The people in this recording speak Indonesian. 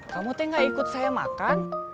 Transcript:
kamu teh nggak ikut saya makan